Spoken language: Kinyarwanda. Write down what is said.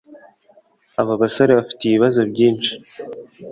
aba basore bafite ibibazo byinshi